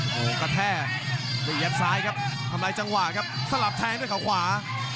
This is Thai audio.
โอ้โหกระแทกนี่ยัดซ้ายครับทำลายจังหวะครับสลับแทงด้วยเขาขวา